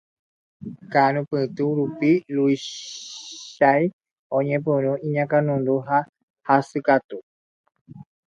ka'arupytũ rupi Luchia'i oñepyrũ iñakãnundu ha hasykatu.